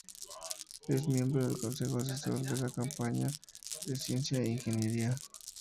Es miembro del Consejo Asesor de la Campaña de Ciencia e Ingeniería.